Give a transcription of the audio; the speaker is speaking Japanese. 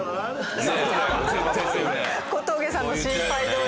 小峠さんの心配どおり。